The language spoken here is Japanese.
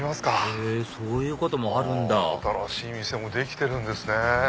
へぇそういうこともあるんだ新しい店もできてるんですね。